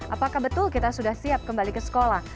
apakah betul kita sudah siap kembali ke sekolah